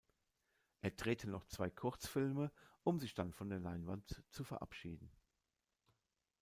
Er drehte noch zwei Kurzfilme, um sich dann von der Leinwand zu verabschieden.